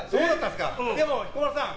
でも、彦摩呂さん